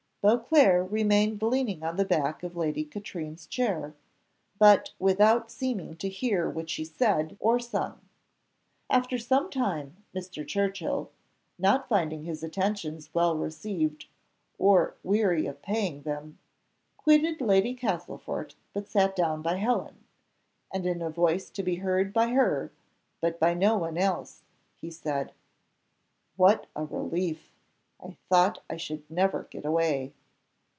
Beauclerc remained leaning on the back of Lady Katrine's chair, but without seeming to hear what she said or sung. After some time Mr. Churchill, not finding his attentions well received, or weary of paying them, quitted Lady Castlefort but sat down by Helen; and in a voice to be heard by her, but by no one else, he said "What a relief! I thought I should never get away!"